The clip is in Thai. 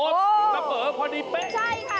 ระเบิลพอดีเป๊ะ